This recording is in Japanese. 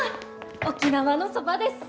沖縄のそばです。